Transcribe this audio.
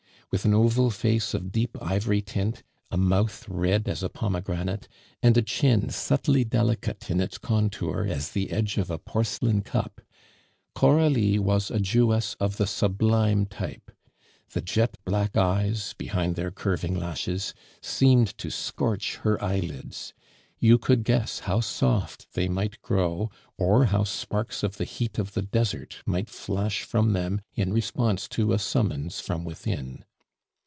With an oval face of deep ivory tint, a mouth red as a pomegranate, and a chin subtly delicate in its contour as the edge of a porcelain cup, Coralie was a Jewess of the sublime type. The jet black eyes behind their curving lashes seemed to scorch her eyelids; you could guess how soft they might grow, or how sparks of the heat of the desert might flash from them in response to a summons from within.